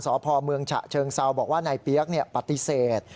สพเมืองฉะเชิงเซาบอกว่านายเปี๊ยกปฏิเสธ